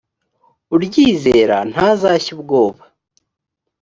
uryizera ntazashya ubwoba